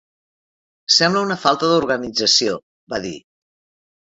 Sembla una falta d'organització, va dir